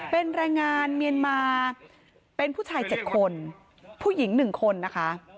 เป็นแรงงานเมียนมาเป็นผู้ชาย๗คนผู้หญิง๑คนนะคะ